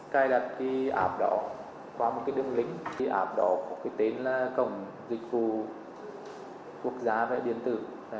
cài đặt thì ảp đỏ qua một cái đường link thì ảp đỏ có cái tên là cổng dịch vụ quốc gia về điện tử